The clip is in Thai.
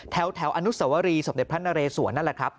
แถวอนุสวรีสมเด็จพระนเรสวนนั่นแหละครับ